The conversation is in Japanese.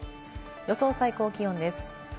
予想最高気温です。